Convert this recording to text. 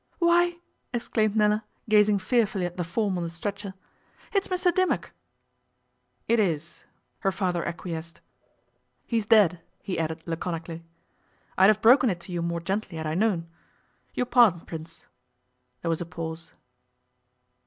'Why!' exclaimed Nella, gazing fearfully at the form on the stretcher, 'it's Mr Dimmock!' 'It is,' her father acquiesced. 'He's dead,' he added laconically. 'I'd have broken it to you more gently had I known. Your pardon, Prince.' There was a pause.